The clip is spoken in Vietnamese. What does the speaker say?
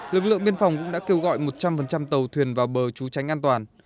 lực lượng biên phòng cũng đã kêu gọi một trăm linh tàu thuyền vào bờ trú tránh an toàn